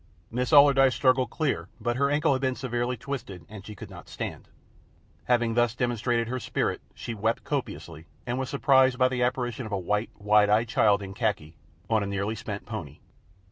Miss Allardyce struggled clear, but her ankle had been severely twisted, and she could not stand. Having thus demonstrated her spirit, she wept copiously, and was surprised by the apparition of a white, wide eyed child in khaki, on a nearly spent pony.